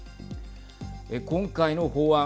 今回の法案。